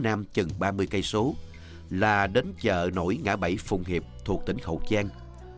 từ quận cáy răng thành phố cần thơ xua về hướng nam chừng ba mươi km là đến chợ nổi ngã bảy phụng hiệp thuộc tỉnh khẩu giang